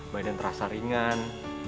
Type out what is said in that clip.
badan terasa ringan